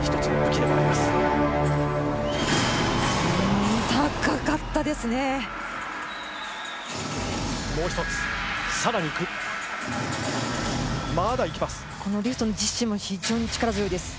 高かったですね。